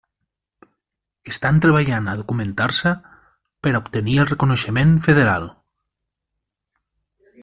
Estan treballant a documentar-se per a obtenir el reconeixement federal.